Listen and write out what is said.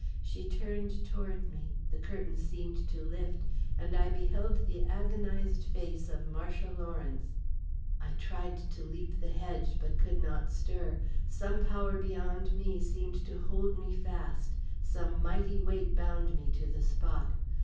She turned toward me, the curtain seemed to lift, and I beheld the agonised face of Marcia Lawrence. I tried to leap the hedge, but could not stir. Some power beyond me seemed to hold me fast; some mighty weight bound me to the spot.